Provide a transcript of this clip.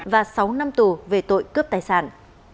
và một mươi hai năm tù về tội cướp tài sản